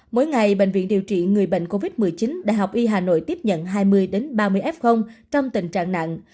mỗi ngày bệnh viện điều trị người bệnh covid một mươi chín đại học y hà nội tiếp nhận hai mươi ba mươi f trong tình trạng nặng